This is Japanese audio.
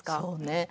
そうね。